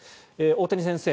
大谷先生